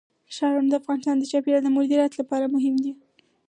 ښارونه د افغانستان د چاپیریال د مدیریت لپاره مهم دي.